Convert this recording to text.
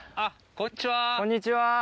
こんにちは。